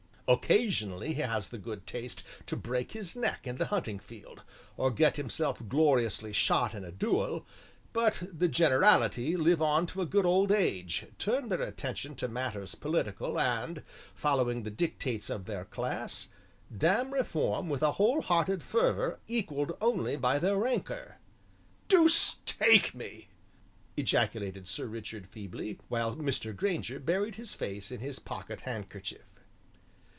Occasionally he has the good taste to break his neck in the hunting field, or get himself gloriously shot in a duel, but the generality live on to a good old age, turn their attention to matters political and, following the dictates of their class, damn reform with a whole hearted fervor equalled only by their rancor." "Deuce take me!" ejaculated Sir Richard feebly, while Mr. Grainger buried his face in his pocket handkerchief.